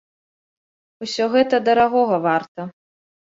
Усё гэта дарагога варта.